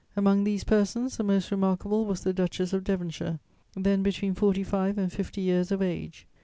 Among these persons, the most remarkable was the Duchess of Devonshire, then between forty five and fifty years of age.